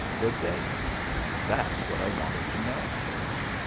Could they? That's what I wanted to know.